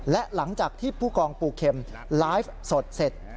และหลังจากที่ผู้กองปูเข็มไลฟ์สดเสร็จ